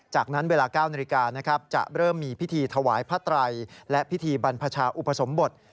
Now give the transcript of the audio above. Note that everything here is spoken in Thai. จากนั้นเวลา๙นาฬิกานะครับจะเริ่มมีพิธีถวายพระไตรและพิธีบรรพชาอุปสมบท